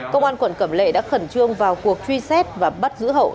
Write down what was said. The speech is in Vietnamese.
công an quận cẩm lệ đã khẩn trương vào cuộc truy xét và bắt giữ hậu